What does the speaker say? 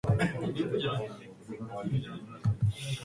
こんにちは赤ちゃんあなたの未来に